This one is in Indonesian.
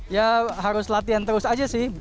ya harus latihan terus aja sih